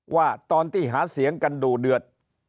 ว่าตอนที่หาเสียงกันดูเดือด